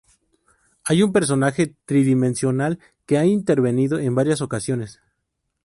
Hay un personaje tridimensional que ha intervenido en varias ocasiones.